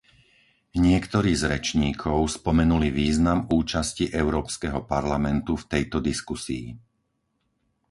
Niektorí z rečníkov spomenuli význam účasti Európskeho parlamentu v tejto diskusii.